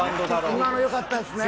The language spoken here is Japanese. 今のよかったですね。